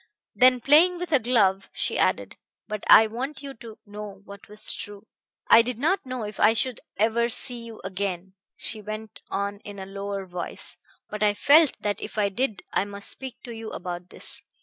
Then, playing with a glove, she added: "But I want you to know what was true." "I did not know if I should ever see you again," she went on in a lower voice, "but I felt that if I did I must speak to you about this.